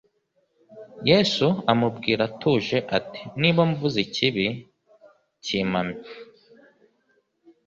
yesu amubwira atuje ati, “niba mvuze ikibi kimpamye